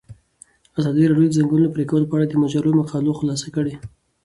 ازادي راډیو د د ځنګلونو پرېکول په اړه د مجلو مقالو خلاصه کړې.